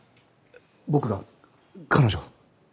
僕が彼女を？